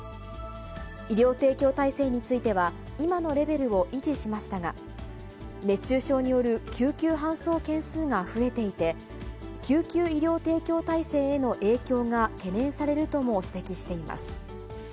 医療提供体制については、今のレベルを維持しましたが、熱中症による救急搬送件数が増えていて、救急医療提供体制への影響が懸念されるとも指摘しています。